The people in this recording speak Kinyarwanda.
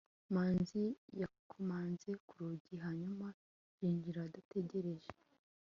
manzi yakomanze ku rugi hanyuma yinjira adategereje